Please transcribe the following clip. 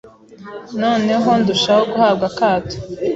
noneho ndushaho guhabwa akato